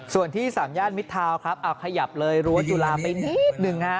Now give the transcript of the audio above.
ส่วนที่สามย่านมิดทาวน์ครับเอาขยับเลยรั้วจุฬาไปนิดหนึ่งฮะ